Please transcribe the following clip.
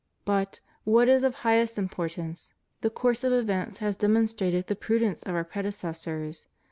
B t, what is of highest importance, the course of events has demonstrated the prudence of Our predecessors.